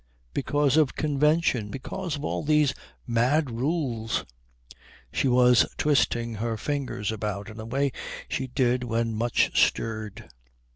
"Because of convention, because of all these mad rules " She was twisting her fingers about in the way she did when much stirred.